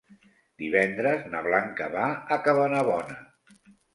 Divendres na Blanca va a Cabanabona.